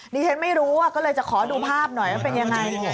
ดิฉันไม่รู้ก็เลยจะขอดูภาพหน่อยว่าเป็นยังไง